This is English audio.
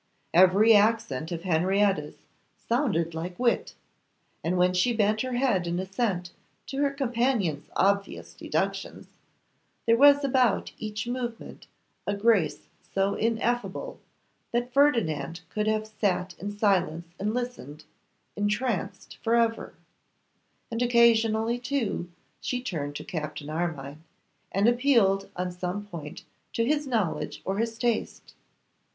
Every accent of Henrietta's sounded like wit; and when she bent her head in assent to her companion's obvious deductions, there was about each movement a grace so ineffable, that Ferdinand could have sat in silence and listened, entranced, for ever: and occasionally, too, she turned to Captain Armine, and appealed on some point to his knowledge or his taste.